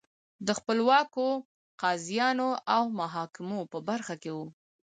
د خپلواکو قاضیانو او محاکمو په برخه کې وو